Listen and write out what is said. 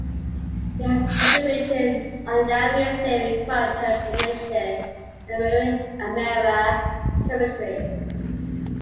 He has further written on Yang-Mills theory, quantum information, and mirror symmetry.